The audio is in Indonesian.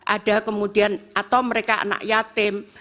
ada kemudian atau mereka anak yatim